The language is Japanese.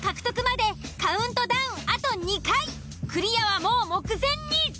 クリアはもう目前に。